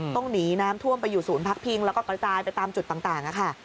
ต้องหนีน้ำท่วมไปอยู่ศูนย์พักพิงแล้วก็กระจายไปตามจุดต่างค่ะ